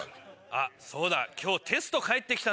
あっそうだ今日テスト返ってきたんだった。